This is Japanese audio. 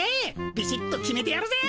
ビシッと決めてやるぜ。